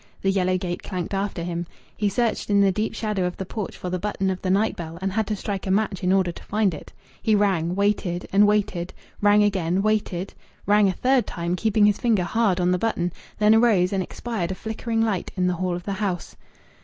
The yellow gate clanked after him. He searched in the deep shadow of the porch for the button of the night bell, and had to strike a match in order to find it. He rang; waited and waited, rang again; waited; rang a third time, keeping his finger hard on the button. Then arose and expired a flickering light in the hall of the house.